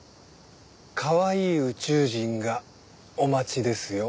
かわいい宇宙人がお待ちですよ。